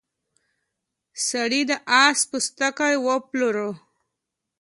سړي د اس پوستکی وپلوره.